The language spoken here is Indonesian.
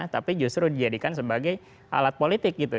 tapi justru dijadikan sebagai alat politik gitu